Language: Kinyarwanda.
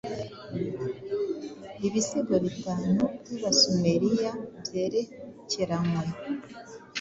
Ibisigo bitanu byabasumeriya byerekeranywe